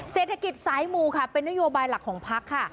เศรษฐกิจสายมูค่ะเป็นนโยบายหลักของพักค่ะ